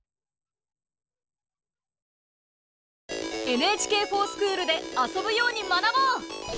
「ＮＨＫｆｏｒＳｃｈｏｏｌ」で遊ぶように学ぼう！